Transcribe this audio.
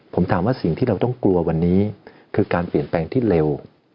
ผมถามว่าสิ่งที่เราต้องกลัววันนี้คือการเปลี่ยนแปลงที่เร็ว